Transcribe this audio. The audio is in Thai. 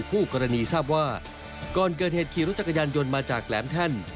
คู่กรณีทราบว่าก่อนเกิดเหตุขี่รถจักรยานยนต์มาจากแหลมแท่น